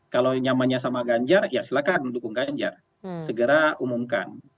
kalau nyamannya sama ganjar ya silahkan mendukung ganjar segera umumkan